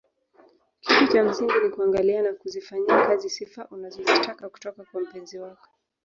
Kitu cha msingi ni kuangalia na kuzifanyia kazi sifa unazozitaka kutoka kwa mpenzi wako